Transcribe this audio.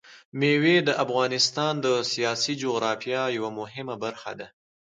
مېوې د افغانستان د سیاسي جغرافیه یوه مهمه برخه ده.